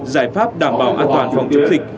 giải pháp đảm bảo an toàn phòng chống dịch